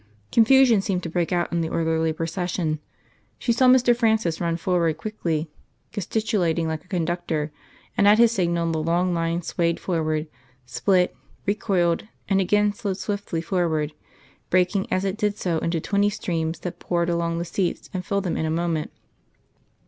Confusion seemed to break out in the orderly procession. She saw Mr. Francis run forward quickly, gesticulating like a conductor, and at his signal the long line swayed forward, split, recoiled, and again slid swiftly forward, breaking as it did so into twenty streams that poured along the seats and filled them in a moment.